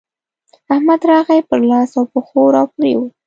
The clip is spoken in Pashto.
احمد راغی؛ پر لاس او پښو راپرېوت.